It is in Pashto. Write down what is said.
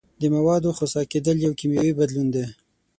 د موادو خسا کیدل یو کیمیاوي بدلون دی.